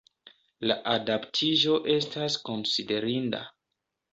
La adaptiĝo estas konsiderinda.